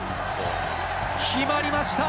決まりました。